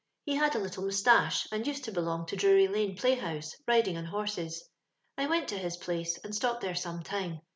He had a little mustache, and used to belong to Drury lane play house, riding on horses. I went to his place, and stopped there some time.